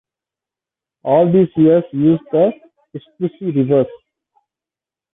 All these years use the Pistrucci reverse.